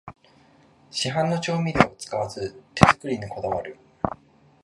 市販の調味料を使わず手作りにこだわる